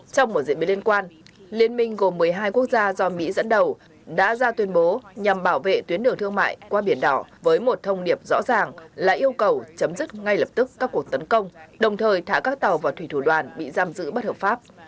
trong một diễn biến liên quan liên minh gồm một mươi hai quốc gia do mỹ dẫn đầu đã ra tuyên bố nhằm bảo vệ tuyến đường thương mại qua biển đỏ với một thông điệp rõ ràng là yêu cầu chấm dứt ngay lập tức các cuộc tấn công đồng thời thả các tàu vào thủy thủ đoàn bị giam giữ bất hợp pháp